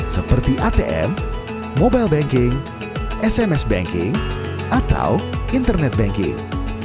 seperti atm mobile banking sms banking atau internet banking